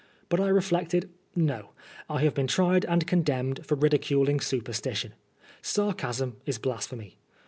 But I reflected " No ! I have been tried and condemned for ridicnling superstition. Sarcasm is Blasphemy.